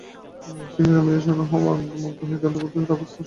শিষ্য স্বামীজীর সস্নেহ আহ্বানে মুগ্ধ হইয়া যন্ত্রবৎ ঠাকুরঘরে প্রবেশ করিল।